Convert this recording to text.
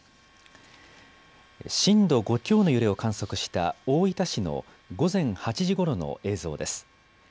震度５強の揺れを観測した大分市の午前８時ごろの映像です。